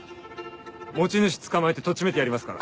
持ち主捕まえてとっちめてやりますから。